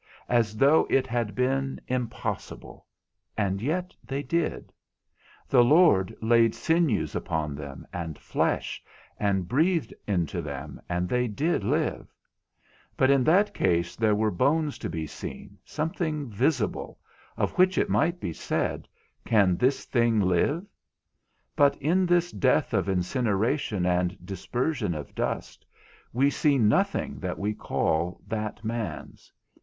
_ as though it had been impossible, and yet they did; the Lord laid sinews upon them, and flesh, and breathed into them, and they did live. But in that case there were bones to be seen, something visible, of which it might be said, Can this thing live? But in this death of incineration and dispersion of dust, we see nothing that we call that man's.